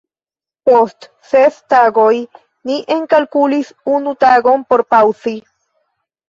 Post ses tagoj ni enkalkulis unu tagon por paŭzi.